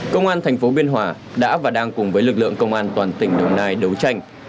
công an thành phố biên hòa đã và đang cùng với lực lượng công an toàn tỉnh đồng nai đấu tranh